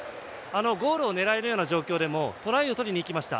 ゴールを狙えるような状況でもトライを取りにいきました。